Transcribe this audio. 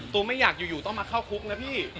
ไม่อยากอยู่ต้องมาเข้าคุกนะพี่